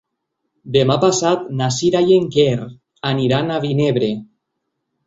Demà passat na Sira i en Quer aniran a Vinebre.